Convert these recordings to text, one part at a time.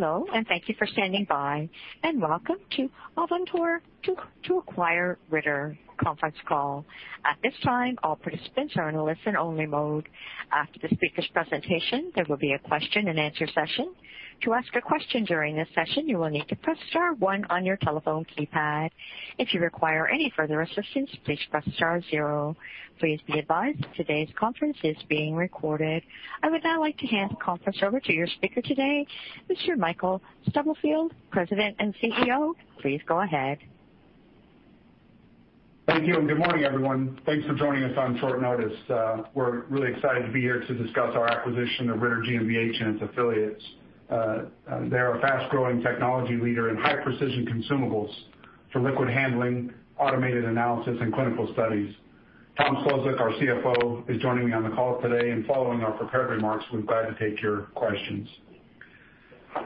Hello, and thank you for standing by, and welcome to the Avantor to Acquire Ritter Conference Call. At this time, all participants are in listen-only mode. After the speaker's presentation, there will be a question-and-answer session. To ask a question during this session, you will need to press star one on your telephone keypad. If you require any further assistance, please press star zero. Please be advised that today's conference is being recorded. I would now like to hand the conference over to your speaker today, Mr. Michael Stubblefield, President and CEO. Please go ahead. Thank you, and good morning, everyone. Thanks for joining us on short notice. We're really excited to be here to discuss our acquisition of Ritter GmbH and its affiliates. They're a fast-growing technology leader in high-precision consumables for liquid handling, automated analysis, and clinical studies. Thomas A. Szlosek, our CFO, is joining me on the call today, and following our prepared remarks, we'd be glad to take your questions.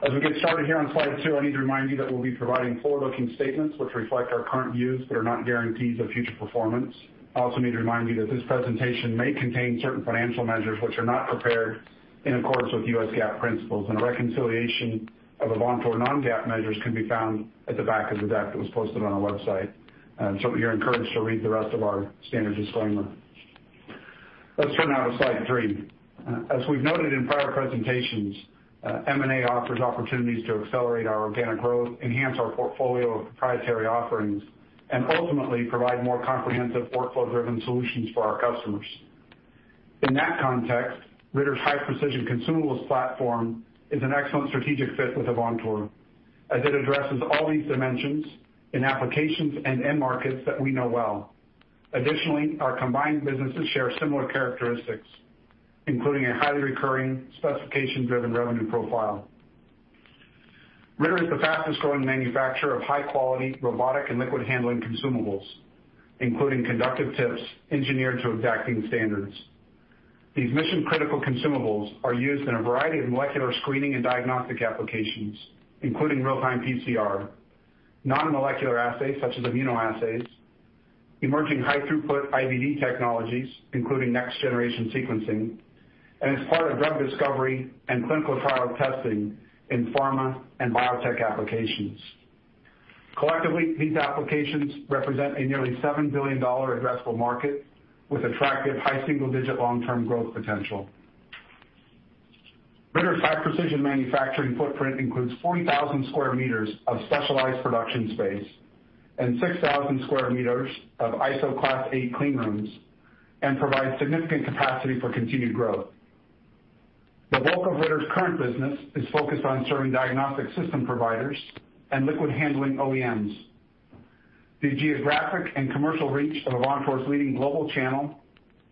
As we get started here on slide two, I need to remind you that we'll be providing forward-looking statements which reflect our current views but are not guarantees of future performance. I also need to remind you that this presentation may contain certain financial measures which are not prepared in accordance with U.S. GAAP principles, and a reconciliation of Avantor non-GAAP measures can be found at the back of the deck that was posted on our website. You're encouraged to read the rest of our standard disclaimer. Let's turn now to slide three. As we've noted in prior presentations, M&A offers opportunities to accelerate our organic growth, enhance our portfolio of proprietary offerings, and ultimately provide more comprehensive workflow-driven solutions for our customers. In that context, Ritter's high-precision consumables platform is an excellent strategic fit with Avantor, as it addresses all these dimensions in applications and end markets that we know well. Additionally, our combined businesses share similar characteristics, including a highly recurring, specification-driven revenue profile. Ritter is the fastest-growing manufacturer of high-quality robotic and liquid handling consumables, including conductive tips engineered to exacting standards. These mission-critical consumables are used in a variety of molecular screening and diagnostic applications, including real-time PCR, non-molecular assays such as immunoassays, emerging high-throughput IVD technologies, including Next-Generation Sequencing, and as part of drug discovery and clinical trial testing in pharma and biotech applications. Collectively, these applications represent a nearly $7 billion addressable market with attractive high single-digit long-term growth potential. Ritter's high-precision manufacturing footprint includes 40,000 sq m of specialized production space and 6,000 sq m of ISO Class 8 clean rooms and provides significant capacity for continued growth. The bulk of Ritter's current business is focused on serving diagnostic system providers and liquid handling OEMs. The geographic and commercial reach of Avantor's leading global channel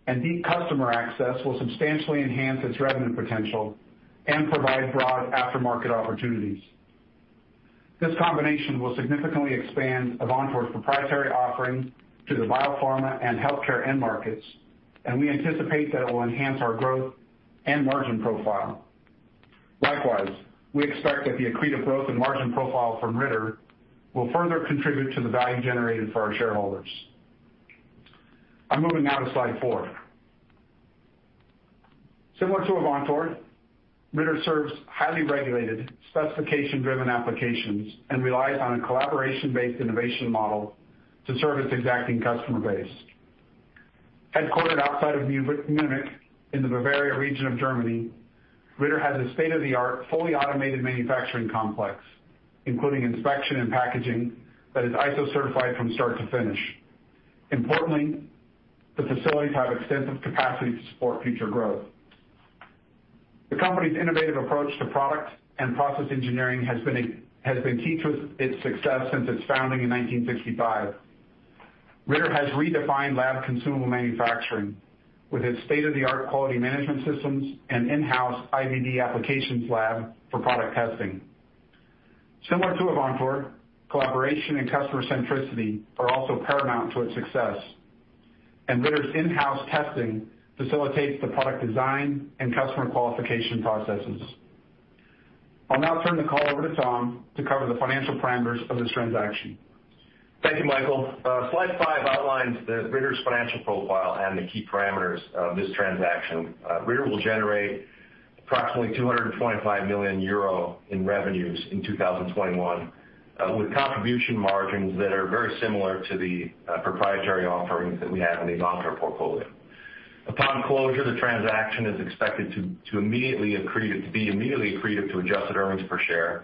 and deep customer access will substantially enhance its revenue potential and provide broad aftermarket opportunities. This combination will significantly expand Avantor's proprietary offering to the biopharma and healthcare end markets, and we anticipate that it will enhance our growth and margin profile. Likewise, we expect that the accretive growth and margin profile from Ritter will further contribute to the value generated for our shareholders. I'm moving now to slide four. Similar to Avantor, Ritter serves highly regulated, specification-driven applications and relies on a collaboration-based innovation model to serve its exacting customer base. Headquartered outside of Munich in the Bavaria region of Germany, Ritter has a state-of-the-art, fully automated manufacturing complex, including inspection and packaging, that is ISO certified from start to finish. Importantly, the facilities have extensive capacity to support future growth. The company's innovative approach to product and process engineering has been key to its success since its founding in 1965. Ritter has redefined lab consumable manufacturing with its state-of-the-art quality management systems and in-house IVD applications lab for product testing. Similar to Avantor, collaboration and customer centricity are also paramount to its success, and Ritter's in-house testing facilitates the product design and customer qualification processes. I'll now turn the call over to Thomas to cover the financial parameters of this transaction. Thank you, Michael. Slide five outlines Ritter's financial profile and the key parameters of this transaction. Ritter will generate approximately 225 million euro in revenues in 2021, with contribution margins that are very similar to the proprietary offerings that we have in the Avantor portfolio. Upon closure, the transaction is expected to be immediately accretive to adjusted earnings per share.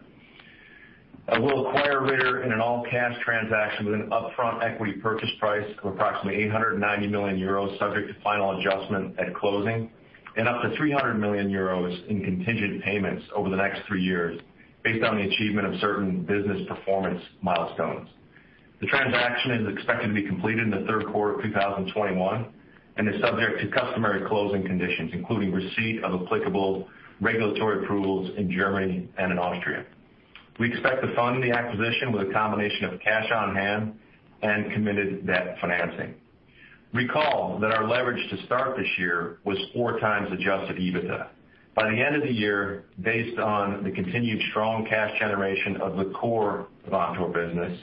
We'll acquire Ritter in an all-cash transaction with an upfront equity purchase price of approximately 890 million euros, subject to final adjustment at closing, and up to 300 million euros in contingent payments over the next three years based on the achievement of certain business performance milestones. The transaction is expected to be completed in the third quarter of 2021 and is subject to customary closing conditions, including receipt of applicable regulatory approvals in Germany and in Austria. We expect to fund the acquisition with a combination of cash on hand and committed debt financing. Recall that our leverage to start this year was four times adjusted EBITDA. By the end of the year, based on the continued strong cash generation of the core Avantor business,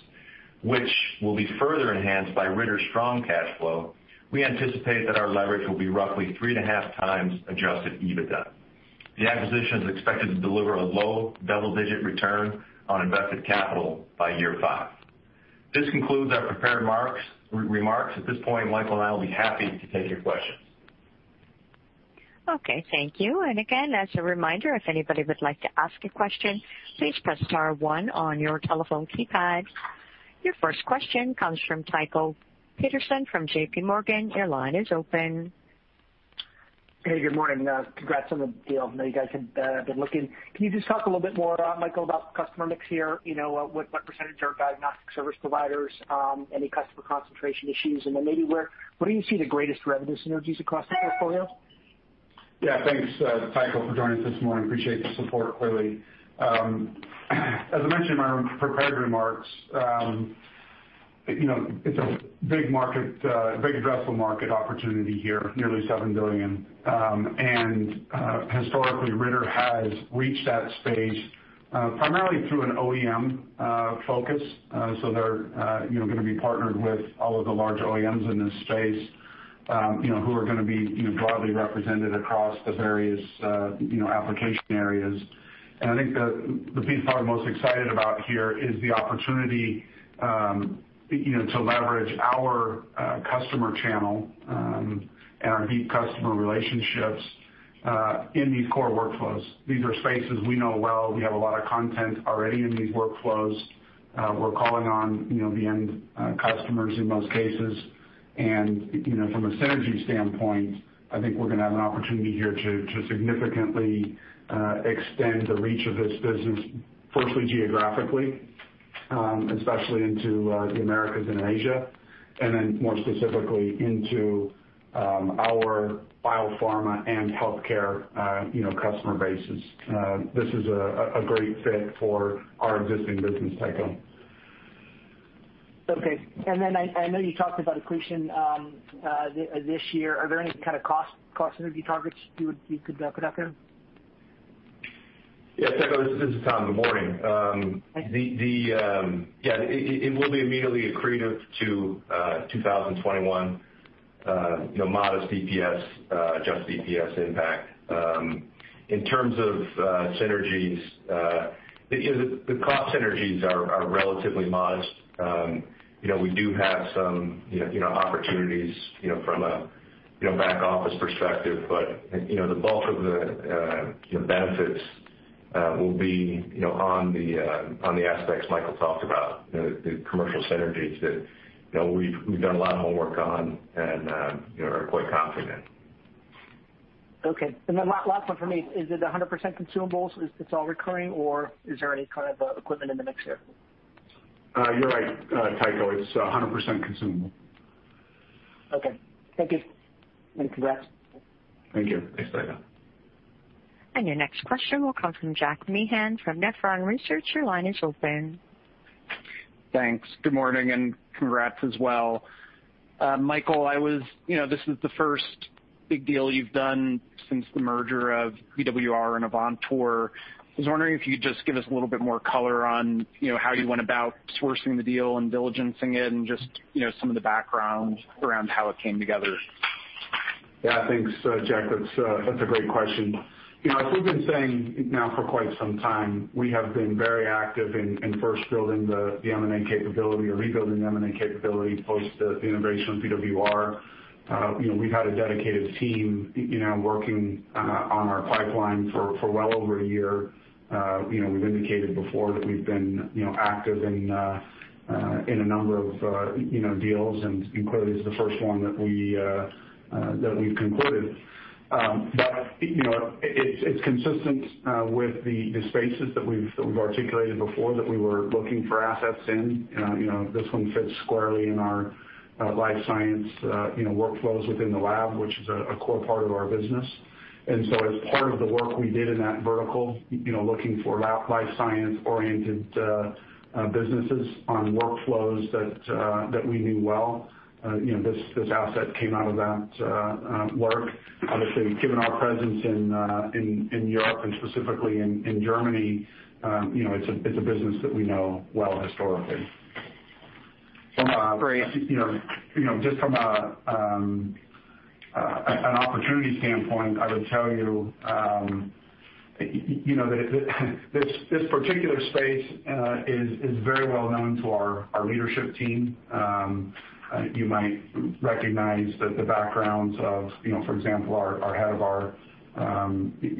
which will be further enhanced by Ritter's strong cash flow, we anticipate that our leverage will be roughly three and a half times adjusted EBITDA. The acquisition is expected to deliver a low double-digit return on invested capital by year five. This concludes our prepared remarks. At this point, Michael and I will be happy to take your questions. Okay, thank you. Again, as a reminder, if anybody would like to ask a question, please press star one on your telephone keypad. Your first question comes from Tycho Peterson from JPMorgan. Your line is open. Hey, good morning. Congrats on the deal. I know you guys have been looking. Can you just talk a little bit more, Michael, about customer mix here? What percentage are diagnostic service providers, any customer concentration issues, and then maybe where do you see the greatest revenue synergies across the portfolio? Yeah. Thanks, Tycho, for joining us this morning. Appreciate the support, clearly. As I mentioned in my prepared remarks, it's a big addressable market opportunity here, nearly $7 billion, and historically, Ritter has reached that space primarily through an OEM focus. They're going to be partnered with all of the large OEMs in this space, who are going to be broadly represented across the various application areas. I think the piece we're probably most excited about here is the opportunity to leverage our customer channel and our deep customer relationships in these core workflows. These are spaces we know well. We have a lot of content already in these workflows. We're calling on the end customers in most cases. From a synergy standpoint, I think we're going to have an opportunity here to significantly extend the reach of this business, firstly geographically, especially into the Americas and Asia, and then more specifically into our biopharma and healthcare customer bases. This is a great fit for our existing business, Tycho. Okay. I know you talked about accretion this year. Are there any kind of cost synergy targets you could put out there? Yeah, Tycho, this is Thomas. Good morning. Hi. Yeah, it will be immediately accretive to 2021, modest adjusted EPS impact. In terms of synergies, the cost synergies are relatively modest. We do have some opportunities from a back office perspective, but the bulk of the benefits will be on the aspects Michael talked about, the commercial synergies that we've done a lot of homework on and are quite confident. Okay. Last one from me. Is it 100% consumables? It's all recurring, or is there any kind of equipment in the mix here? You're right, Tycho. It's 100% consumable. Okay. Thank you. Congrats. Thank you. Your next question will come from Jack Meehan from Nephron Research. Your line is open. Thanks. Good morning, and congrats as well. Michael, this is the first big deal you've done since the merger of VWR and Avantor. I was wondering if you'd just give us a little bit more color on how you went about sourcing the deal and diligencing it and just some of the background around how it came together. Yeah, thanks Jack. That's a great question. As we've been saying now for quite some time, we have been very active in first building the M&A capability or rebuilding the M&A capability, post the integration of VWR. We've had a dedicated team working on our pipeline for well over a year. We've indicated before that we've been active in a number of deals, and clearly this is the first one that we've concluded. It's consistent with the spaces that we've articulated before that we were looking for assets in. This one fits squarely in our life science workflows within the lab, which is a core part of our business. As part of the work we did in that vertical, looking for life science-oriented businesses on workflows that we knew well, this asset came out of that work. Obviously, given our presence in Europe and specifically in Germany, it's a business that we know well historically. Great. Just from an opportunity standpoint, I would tell you that this particular space is very well known to our leadership team. You might recognize the backgrounds of, for example, our head of our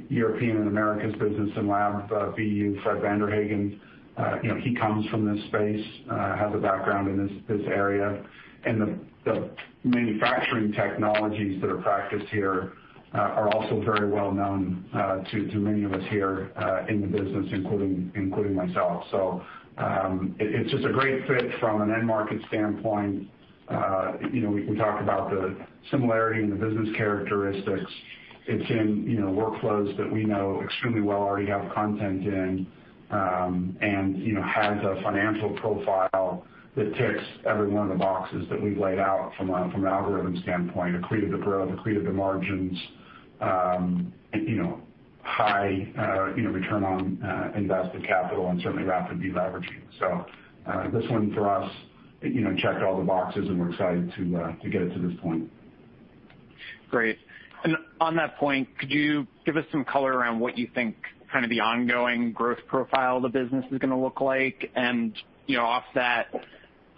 European and Americas business and Lab BU, Frederic Vanderhaegen. He comes from this space, has a background in this area, and the manufacturing technologies that are practiced here are also very well known to many of us here in the business, including myself. It's just a great fit from an end market standpoint. We talked about the similarity in the business characteristics. It's in workflows that we know extremely well, already have content in, and has a financial profile that ticks every one of the boxes that we've laid out from an algorithm standpoint, accretive to growth, accretive to margins, high return on invested capital, and certainly rapid deleveraging. This one for us checked all the boxes, and we're excited to get it to this point. Great. On that point, could you give us some color around what you think the ongoing growth profile of the business is going to look like? Off that,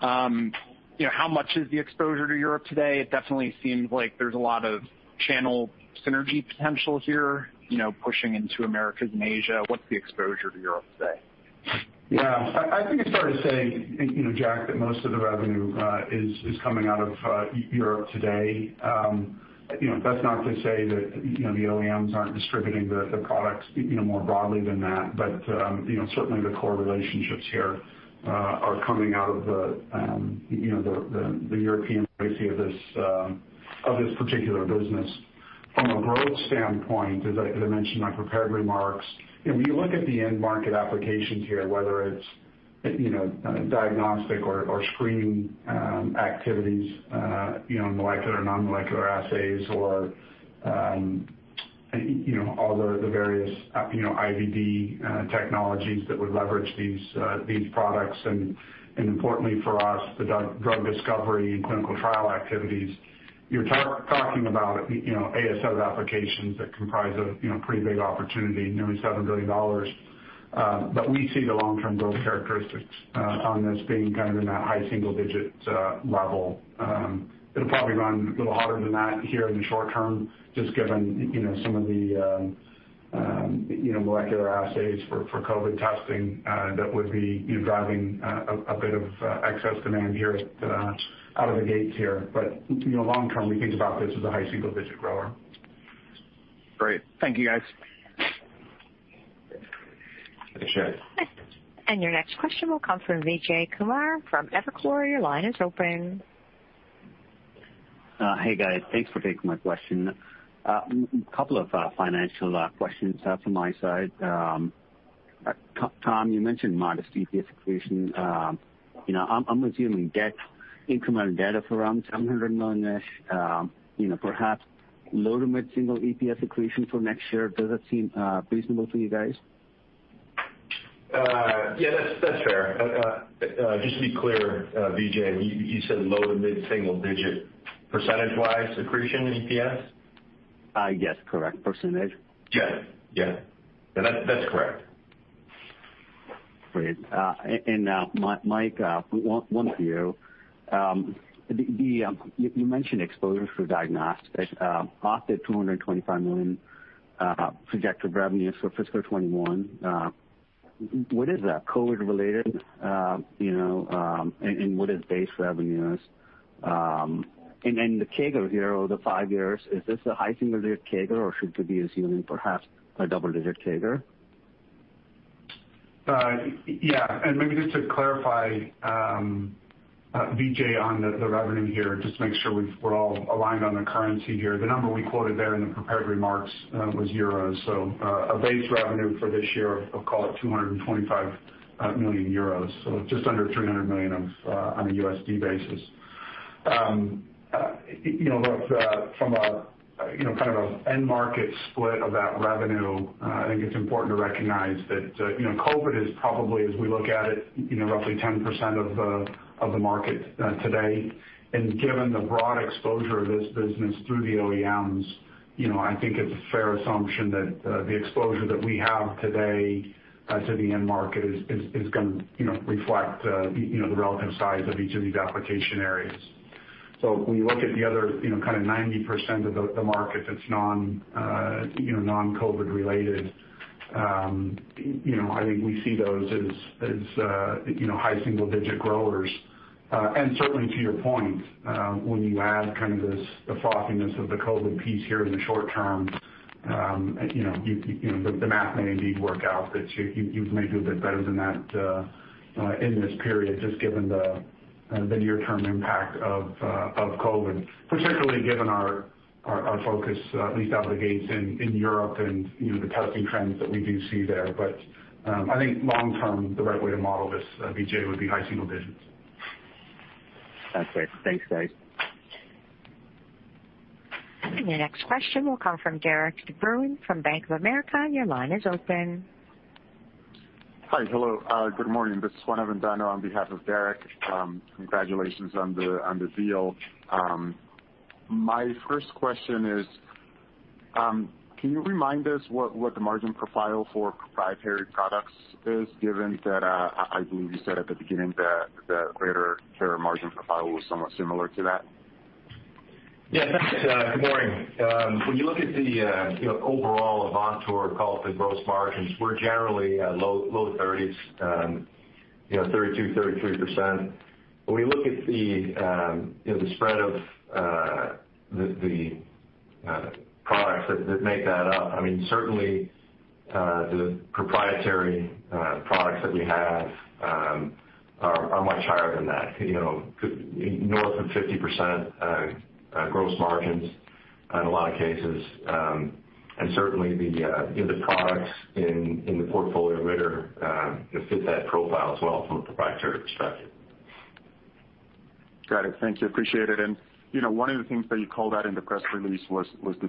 how much is the exposure to Europe today? It definitely seems like there's a lot of channel synergy potential here, pushing into Americas and Asia. What's the exposure to Europe today? I think it's fair to say, Jack, that most of the revenue is coming out of Europe today. That's not to say that the OEMs aren't distributing the products more broadly than that. Certainly the core relationships here are coming out of the European base of this particular business. From a growth standpoint, as I mentioned in my prepared remarks, when you look at the end market applications here, whether it's diagnostic or screening activities, molecular or non-molecular assays or all the various IVD technologies that would leverage these products, and importantly for us, the drug discovery and clinical trial activities. You're talking about (AS 7) applications that comprise a pretty big opportunity, nearly $7 billion. We see the long-term growth characteristics on this being in that high single digits level. It'll probably run a little hotter than that here in the short term, just given some of the molecular assays for COVID testing that would be driving a bit of excess demand here out of the gates here. Long term, we think about this as a high single-digit grower. Great. Thank you, guys. Appreciate it. Your next question will come from Vijay Kumar from Evercore. Your line is open. Hey, guys. Thanks for taking my question. A couple of financial questions from my side. Thomas, you mentioned modest EPS accretion. I'm assuming incremental data for around $700 million, perhaps low to mid-single EPS accretion for next year. Does that seem reasonable to you guys? Yeah, that's fair. Just to be clear, Vijay, you said low to mid-single digit percentage-wise accretion in EPS? Yes, correct. Percentage. Yeah. That's correct. Great. Michael one for you. You mentioned exposure for diagnostics off the $225 million projected revenues for fiscal 2021. What is that? COVID related? What is base revenues? The CAGR here over the five years, is this a high single-digit CAGR, or should we be assuming perhaps a double-digit CAGR? Yeah. Maybe just to clarify, Vijay, on the revenue here, just to make sure we're all aligned on the currency here. The number we quoted there in the prepared remarks was euros. A base revenue for this year of, call it 225 million euros, just under $300 million on a USD basis. From a kind of end market split of that revenue, I think it's important to recognize that COVID is probably, as we look at it, roughly 10% of the market today. Given the broad exposure of this business through the OEMs, I think it's a fair assumption that the exposure that we have today to the end market is going to reflect the relative size of each of these application areas. When you look at the other 90% of the market that's non-COVID related, I think we see those as high single-digit growers. Certainly to your point, when you add kind of the frothiness of the COVID piece here in the short term, the math may indeed work out that you may do a bit better than that in this period, just given the near-term impact of COVID. Particularly given our focus, at least out of the gates in Europe, and the testing trends that we do see there. I think long term, the right way to model this, Vijay, would be high single digits. That's it. Thanks, guys. The next question will come from Derik de Bruin from Bank of America. Your line is open. Hi. Hello. Good morning. This is Juan Avendano on behalf of Derik. Congratulations on the deal. My first question is, can you remind us what the margin profile for proprietary products is, given that I believe you said at the beginning that the Ritter margin profile was somewhat similar to that? Yeah, thanks. Good morning. You look at the overall Avantor 50% gross margins, we're generally low 30%s, 32%, 33%. We look at the spread of the products that make that up, certainly the proprietary products that we have are much higher than that. North of 50% gross margins in a lot of cases. Certainly the products in the portfolio at Ritter fit that profile as well from a proprietary perspective. Got it. Thank you. Appreciate it. One of the things that you called out in the press release was the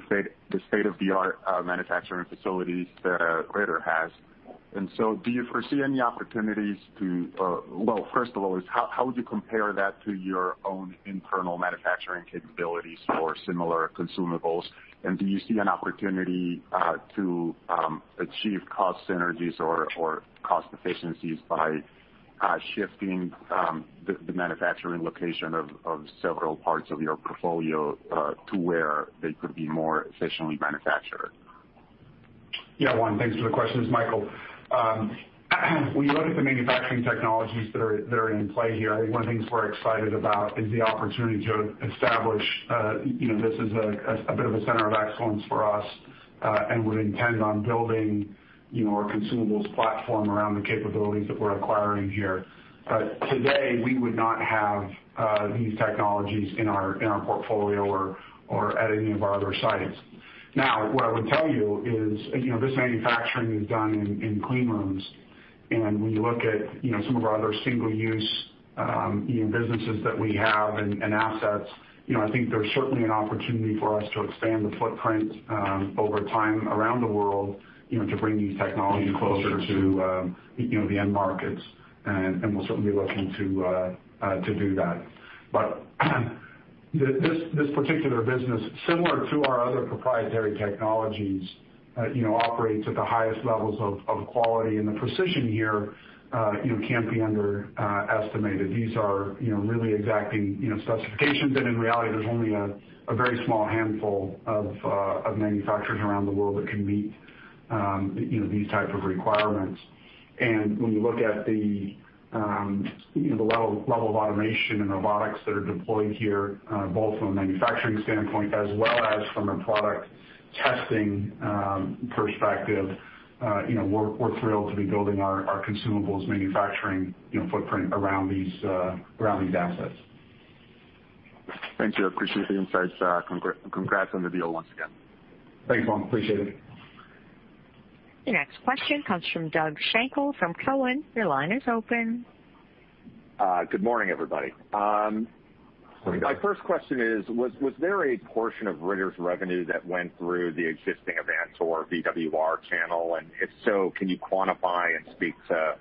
state-of-the-art manufacturing facilities that Ritter has. Do you foresee any opportunities to Well, first of all is how would you compare that to your own internal manufacturing capabilities for similar consumables? Do you see an opportunity to achieve cost synergies or cost efficiencies by shifting the manufacturing location of several parts of your portfolio to where they could be more efficiently manufactured? Yeah, Juan, thanks for the question. It's Michael. When you look at the manufacturing technologies that are in play here, I think one of the things we're excited about is the opportunity to establish, this as a bit of a center of excellence for us, and would intend on building our consumables platform around the capabilities that we're acquiring here. Today, we would not have these technologies in our portfolio or at any of our other sites. What I would tell you is, this manufacturing is done in clean rooms, and when you look at some of our other single-use businesses that we have and assets, I think there's certainly an opportunity for us to expand the footprint over time around the world, to bring these technologies closer to the end markets. We'll certainly be looking to do that. This particular business, similar to our other proprietary technologies, operates at the highest levels of quality, and the precision here can't be underestimated. These are really exacting specifications. In reality, there's only a very small handful of manufacturers around the world that can meet these type of requirements. When you look at the level of automation and robotics that are deployed here, both from a manufacturing standpoint as well as from a product testing perspective, we're thrilled to be building our consumables manufacturing footprint around these assets. Thank you. I appreciate the insights. Congrats on the deal once again. Thanks, Juan. Appreciate it. The next question comes from Douglas Schenkel from Cowen. Your line is open. Good morning, everybody. Good morning. My first question is: Was there a portion of Ritter's revenue that went through the existing Avantor VWR channel? And if so, can you quantify and speak to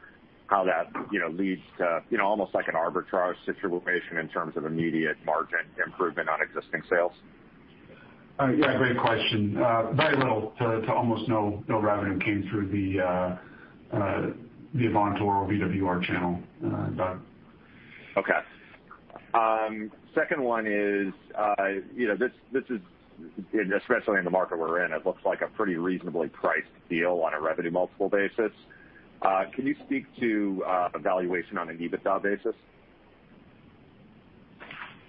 how that leads to almost like an arbitrage situation in terms of immediate margin improvement on existing sales? Yeah, great question. Very little to almost no revenue came through the Avantor VWR channel, Douglas. Okay. Second one is, especially in the market we're in, it looks like a pretty reasonably priced deal on a revenue multiple basis. Can you speak to valuation on an EBITDA basis?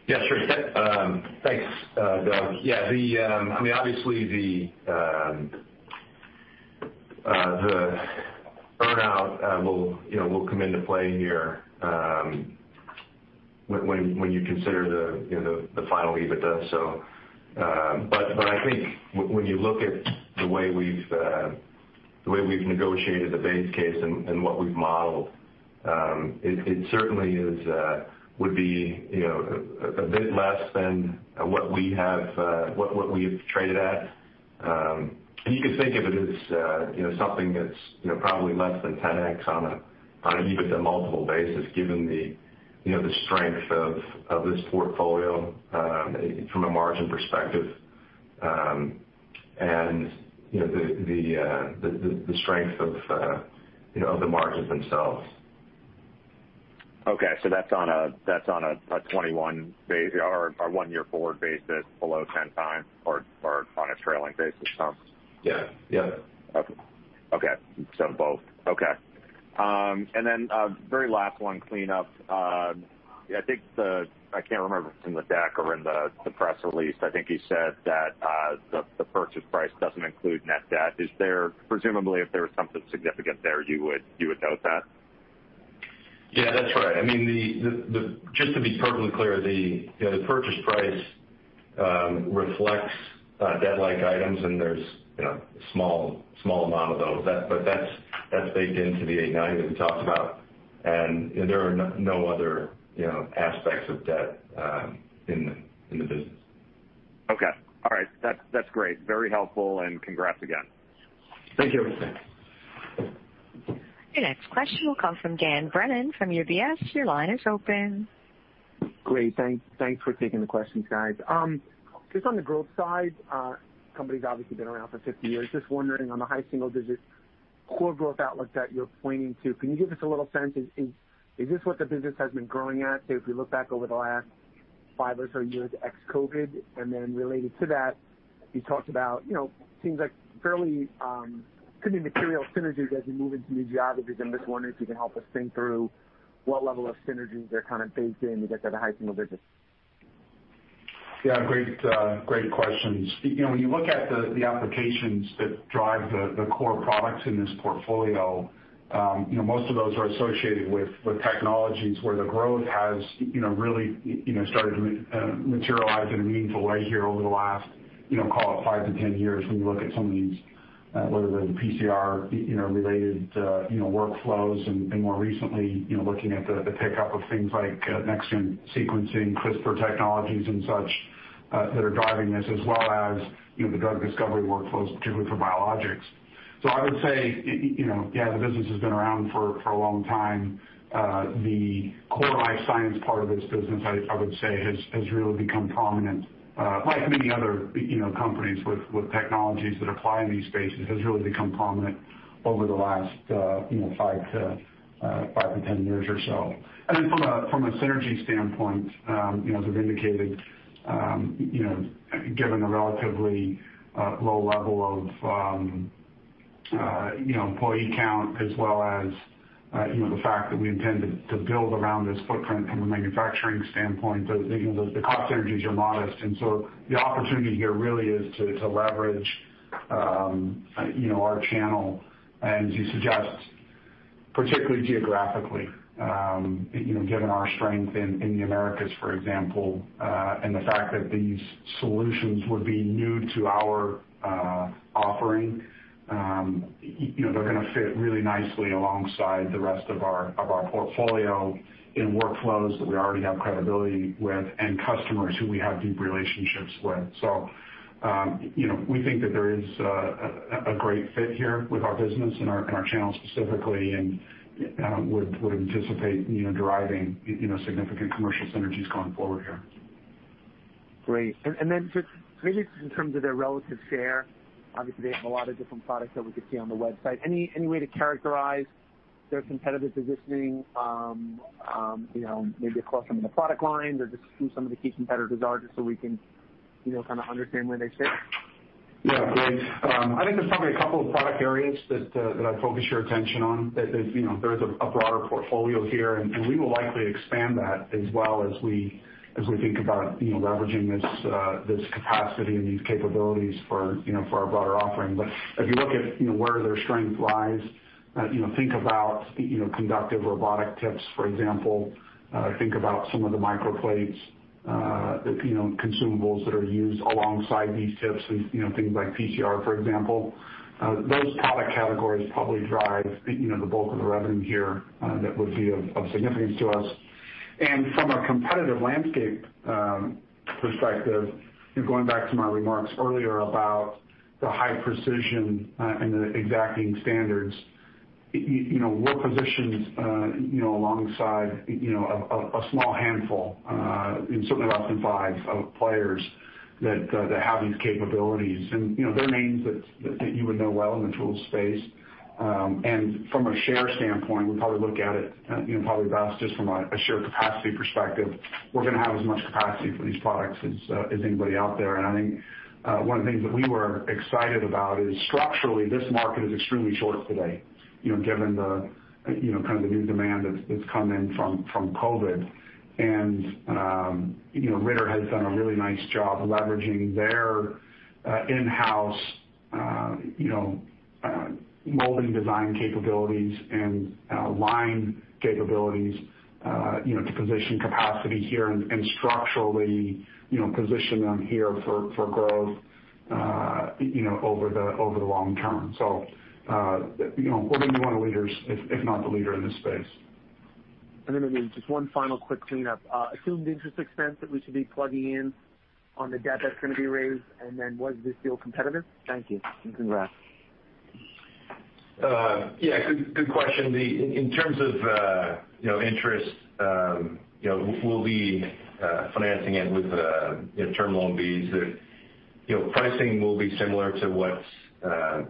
Sure. Thanks, Douglas. Obviously, the earn-out will come into play here when you consider the final EBITDA. I think when you look at the way we've negotiated the base case and what we've modeled, it certainly would be a bit less than what we've traded at. You could think of it as something that's probably less than 10x on an EBITDA multiple basis given the strength of this portfolio from a margin perspective, and the strength of the margins themselves. Okay. That's on a 2021 base or a one-year forward basis below 10x or on a trailing basis, huh? Yeah. Okay. Both. Okay. Very last one, cleanup. I can't remember if it's in the deck or in the press release, I think you said that the purchase price doesn't include net debt. Presumably, if there was something significant there, you would note that? Yeah, that's right. Just to be perfectly clear, the purchase price reflects debt-like items, and there's a small amount of those. That's baked into the 890 million that we talked about, and there are no other aspects of debt in the business. Okay. All right. That's great. Very helpful, and congrats again. Thank you. Your next question will come from Dan Brennan from UBS. Your line is open. Great. Thanks for taking the questions, guys. Just on the growth side, company's obviously been around for 50 years. Just wondering on the high single-digit core growth outlook that you're pointing to, can you give us a little sense, is this what the business has been growing at, say, if you look back over the last five or so years ex-COVID? Related to that, you talked about, seems like fairly could be material synergies as you move into new geographies. I'm just wondering if you can help us think through what level of synergies are kind of baked in to get to the high single digits. Great questions. When you look at the applications that drive the core products in this portfolio, most of those are associated with technologies where the growth has really started to materialize in a meaningful way here over the last call it 5-10 years when you look at some of these, whether the PCR-related workflows, and more recently, looking at the pickup of things like Next-Generation Sequencing, CRISPR technologies, and such. That are driving this as well as the drug discovery workflows, particularly for biologics. I would say, yeah, the business has been around for a long time. The core life science part of this business, I would say, has really become prominent, like many other companies with technologies that apply in these spaces, has really become prominent over the last 5-10 years or so. Then from a synergy standpoint, as I've indicated, given the relatively low level of employee count, as well as the fact that we intend to build around this footprint from a manufacturing standpoint, the cost synergies are modest. The opportunity here really is to leverage our channel, and as you suggest, particularly geographically, given our strength in the Americas, for example, and the fact that these solutions would be new to our offering. They're going to fit really nicely alongside the rest of our portfolio in workflows that we already have credibility with and customers who we have deep relationships with. We think that there is a great fit here with our business and our channel specifically, and would anticipate driving significant commercial synergies going forward here. Great. Just maybe in terms of their relative share, obviously they have a lot of different products that we could see on the website. Any way to characterize their competitive positioning, maybe across some of the product lines or just who some of the key competitors are, just so we can kind of understand where they fit? Yeah. Great. I think there's probably a couple of product areas that I'd focus your attention on. There's a broader portfolio here, and we will likely expand that as well as we think about leveraging this capacity and these capabilities for our broader offering. If you look at where their strength lies, think about conductive robotic tips, for example. Think about some of the microplates, consumables that are used alongside these tips and things like PCR, for example. Those product categories probably drive the bulk of the revenue here that would be of significance to us. From a competitive landscape perspective, going back to my remarks earlier about the high precision and the exacting standards, we're positioned alongside a small handful, and certainly less than five, of players that have these capabilities. They're names that you would know well in the tools space. From a share standpoint, we probably look at it best just from a share capacity perspective. We're going to have as much capacity for these products as anybody out there. I think one of the things that we were excited about is structurally, this market is extremely short today, given the kind of the new demand that's come in from COVID. Ritter has done a really nice job leveraging their in-house molding design capabilities and line capabilities to position capacity here and structurally position them here for growth over the long term. We'll be one of the leaders, if not the leader in this space. Maybe just one final quick cleanup. Assumed interest expense that we should be plugging in on the debt that's going to be raised, and then was this deal competitive? Thank you, and congrats. Yeah, good question. In terms of interest, we'll be financing it with Term Loan Bs. Pricing will be similar to what's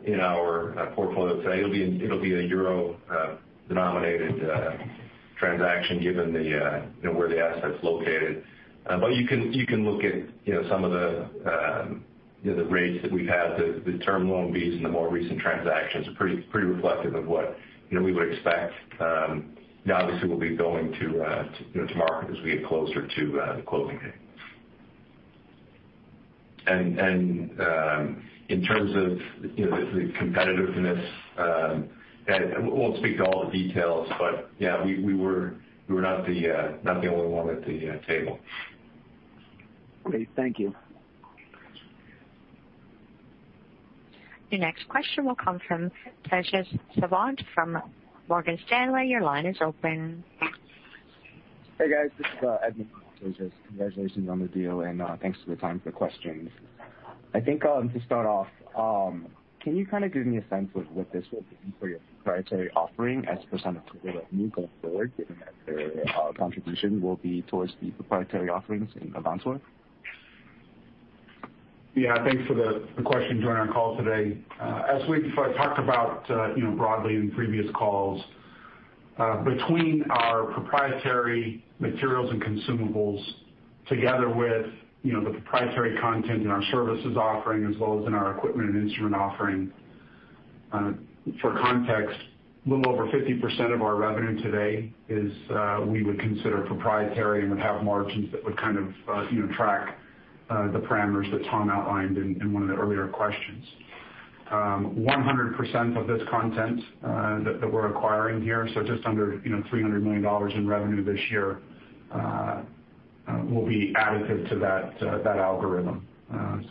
in our portfolio today. It'll be a EUR-denominated transaction given where the asset's located. You can look at some of the rates that we've had. The Term Loan Bs in the more recent transactions are pretty reflective of what we would expect. We'll be going to market as we get closer to the closing date. In terms of the competitiveness, I won't speak to all the details, but yeah, we were not the only one at the table. Great. Thank you. Your next question will come from Tejas Savant from Morgan Stanley. Your line is open. Hey, guys. This is Edmund with Tejas. Congratulations on the deal, and thanks for the time for the questions. I think to start off, can you kind of give me a sense of what this will mean for your proprietary offering as a percent of total revenue going forward, given that their contribution will be towards the proprietary offerings in Avantor? Thanks for the question, joining our call today. As we've talked about broadly in previous calls, between our proprietary materials and consumables together with the proprietary content in our services offering as well as in our equipment and instrument offering, for context, a little over 50% of our revenue today is we would consider proprietary and would have margins that would kind of track the parameters that Thomas outlined in one of the earlier questions. 100% of this content that we're acquiring here, so just under $300 million in revenue this year, will be additive to that algorithm. I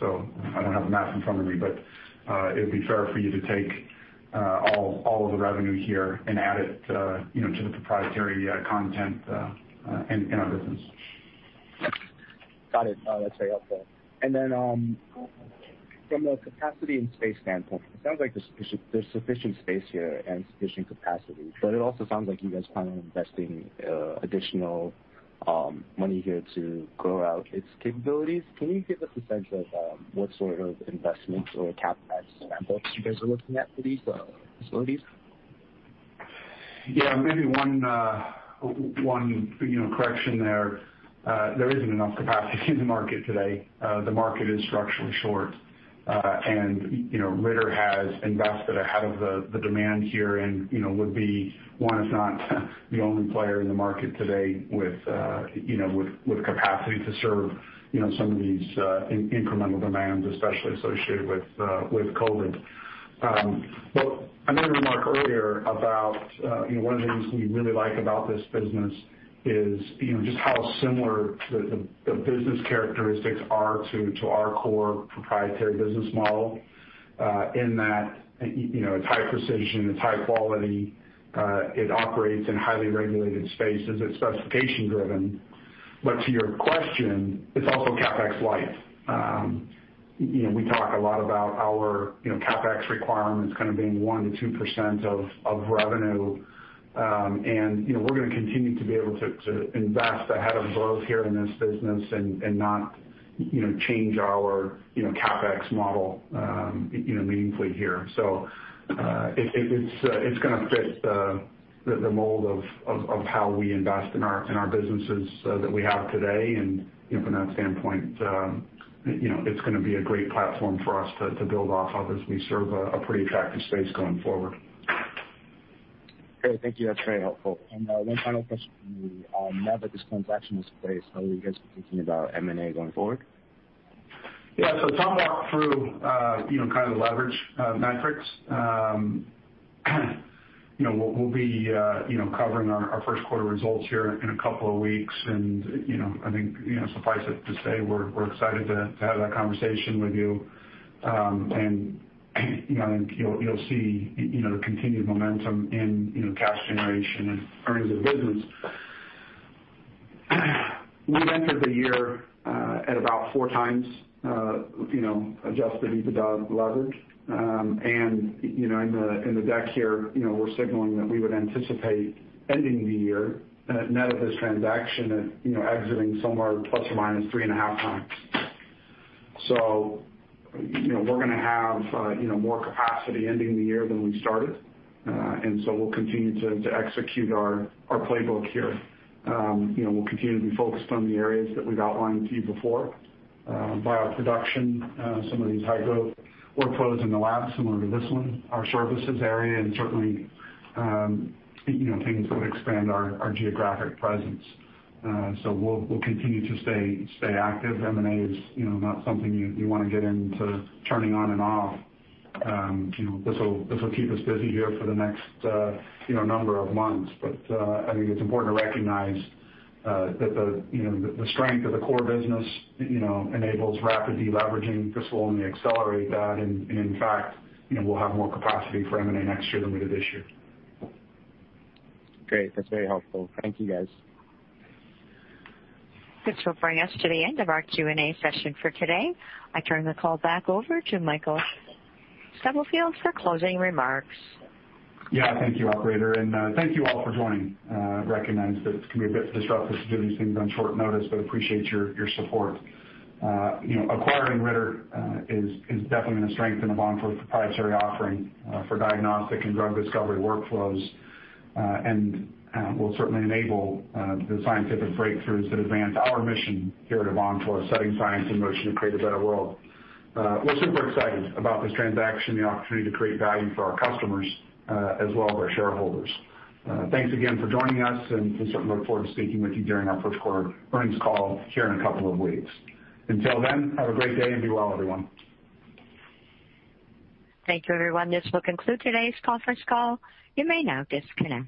don't have the math in front of me, but it'd be fair for you to take all of the revenue here and add it to the proprietary content in our business. Got it. That's very helpful. From a capacity and space standpoint, it sounds like there's sufficient space here and sufficient capacity, but it also sounds like you guys plan on investing additional money here to grow out its capabilities. Can you give us a sense of what sort of investments or CapEx examples you guys are looking at for these facilities? Yeah, maybe one correction there. There isn't enough capacity in the market today. The market is structurally short. Ritter has invested ahead of the demand here and would be, one, if not the only player in the market today with capacity to serve some of these incremental demands, especially associated with COVID. I made a remark earlier about one of the things we really like about this business is just how similar the business characteristics are to our core proprietary business model in that it's high precision, it's high quality, it operates in highly regulated spaces. It's specification driven. To your question, it's also CapEx light. We talk a lot about our CapEx requirements kind of being 1%-2% of revenue. We're going to continue to be able to invest ahead of growth here in this business and not change our CapEx model meaningfully here. It's going to fit the mold of how we invest in our businesses that we have today, and from that standpoint it's going to be a great platform for us to build off of as we serve a pretty attractive space going forward. Great. Thank you. That's very helpful. One final question for me. Now that this transaction is placed, how are you guys thinking about M&A going forward? Yeah. Thomas walked through kind of the leverage metrics. We'll be covering our first quarter results here in a couple of weeks. I think suffice it to say, we're excited to have that conversation with you, and I think you'll see the continued momentum in cash generation and earnings of the business. We entered the year at about four times adjusted EBITDA leverage. In the deck here, we're signaling that we would anticipate ending the year net of this transaction at exiting somewhere plus or minus three and a half times. We're going to have more capacity ending the year than we started. We'll continue to execute our playbook here. We'll continue to be focused on the areas that we've outlined to you before, bioproduction, some of these high-growth workflows in the lab similar to this one, our services area, and certainly things that would expand our geographic presence. We'll continue to stay active. M&A is not something you want to get into turning on and off. This will keep us busy here for the next number of months. I think it's important to recognize that the strength of the core business enables rapid deleveraging. This will only accelerate that. In fact, we'll have more capacity for M&A next year than we did this year. Great. That's very helpful. Thank you, guys. This will bring us to the end of our Q&A session for today. I turn the call back over to Michael Stubblefield for closing remarks. Yeah. Thank you, operator, and thank you all for joining. Recognize that it can be a bit disruptive to do these things on short notice, but appreciate your support. Acquiring Ritter is definitely going to strengthen Avantor's proprietary offering for diagnostic and drug discovery workflows and will certainly enable the scientific breakthroughs that advance our mission here at Avantor, setting science in motion to create a better world. We're super excited about this transaction and the opportunity to create value for our customers as well as our shareholders. Thanks again for joining us, and we certainly look forward to speaking with you during our first quarter earnings call here in a couple of weeks. Until then, have a great day and be well, everyone. Thank you, everyone. This will conclude today's conference call. You may now disconnect.